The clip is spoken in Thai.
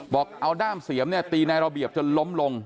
บอกเอาด้ามเสียมเนี่ยตีในระเบียบจนล้มลง